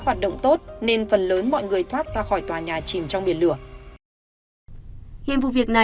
hoạt động tốt nên phần lớn mọi người thoát ra khỏi tòa nhà chìm trong biển lửa